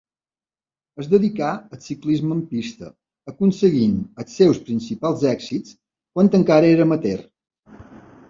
Es dedicà al ciclisme en pista, aconseguint els seus principals èxits quan encara era amateur.